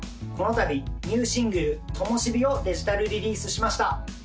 この度ニューシングル「灯火」をデジタルリリースしました